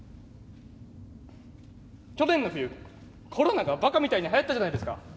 去年の冬コロナがバカみたいにはやったじゃないですか。